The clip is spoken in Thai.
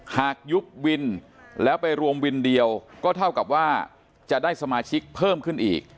หากยุบวินแล้วไปรวมวินเดียวก็เท่ากับว่าจะได้สมาชิกเพิ่มขึ้นอีก